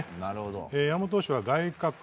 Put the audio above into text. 山本投手は外角。